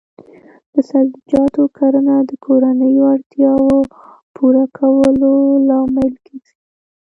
د سبزیجاتو کرنه د کورنیو اړتیاوو پوره کولو لامل ګرځي.